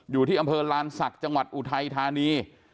อยู่ที่อำเภอลานศักดิ์จังหวัดอุทัยธานี